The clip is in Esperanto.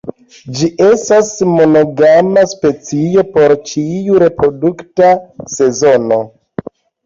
Ĝi estas monogama specio por ĉiu reprodukta sezono.